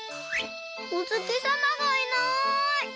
おつきさまがいない！